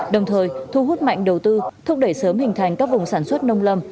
đồng thời thu hút mạnh đầu tư thúc đẩy sớm hình thành các vùng sản xuất nông lâm